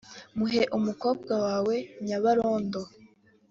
"Muhe umukobwa wawe Nyabarondo